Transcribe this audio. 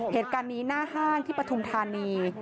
เหตุการณ์นี้หน้าห้างที่ปฐุมธานี